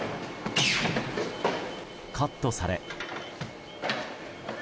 カットされ。